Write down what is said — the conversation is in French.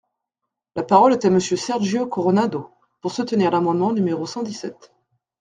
La parole est à Monsieur Sergio Coronado, pour soutenir l’amendement numéro cent dix-sept.